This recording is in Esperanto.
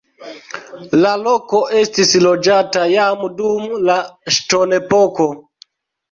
La loko estis loĝata jam dum la ŝtonepoko.